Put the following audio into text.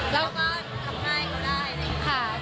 เราก็กลับง่ายก็ได้